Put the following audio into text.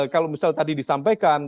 kalau misalnya tadi disampaikan